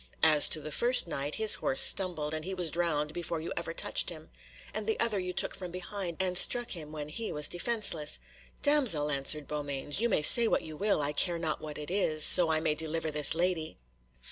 As to the first Knight, his horse stumbled, and he was drowned before you ever touched him. And the other you took from behind, and struck him when he was defenceless." "Damsel!" answered Beaumains, "you may say what you will, I care not what it is, so I may deliver this lady."